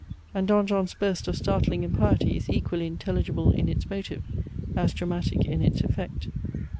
And Don John's burst of startling impiety is equally intelligible in its motive, as dramatic in its effect.